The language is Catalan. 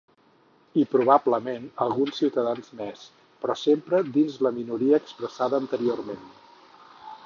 I probablement alguns ciutadans més, però sempre dins la minoria expressada anteriorment.